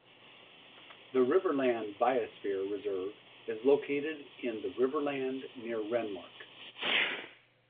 The Riverland Biosphere Reserve is located in the Riverland near Renmark.